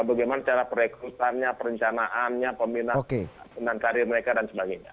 bagaimana cara perekrutannya perencanaannya peminat penantarir mereka dan sebagainya